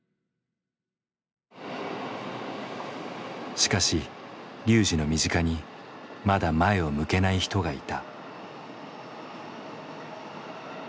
しかしＲＹＵＪＩの身近にまだ前を向けない人がいた。